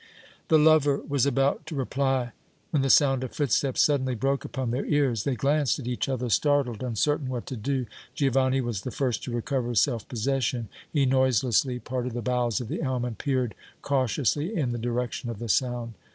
'" The lover was about to reply when the sound of footsteps suddenly broke upon their ears. They glanced at each other, startled, uncertain what to do. Giovanni was the first to recover self possession. He noiselessly parted the boughs of the elm and peered cautiously in the direction of the sound.